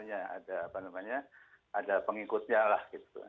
ada penyelamatan ada pengikutnya lah